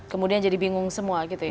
kemudian jadi bingung semua gitu ya